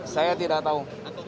saya tidak tahu